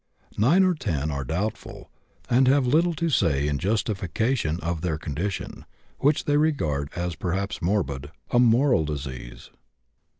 Nine or ten are doubtful, and have little to say in justification of their condition, which they regard as perhaps morbid, a "moral disease."